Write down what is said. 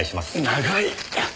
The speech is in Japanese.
長い！